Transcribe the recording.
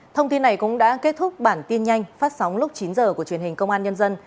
thông tin này cũng đã kết thúc bản tin nhanh phát sóng lúc chín h của truyền hình công an nhân dân